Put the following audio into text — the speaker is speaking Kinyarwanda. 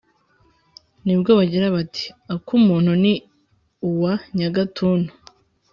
ni bwo bagira, bati: «akumuntu ni uwa nyagatuntu!